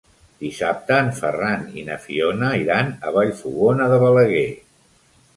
Dissabte en Ferran i na Fiona iran a Vallfogona de Balaguer.